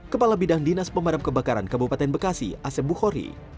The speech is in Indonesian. kepala bidang dinas pemadam kebakaran kabupaten bekasi asep bukhori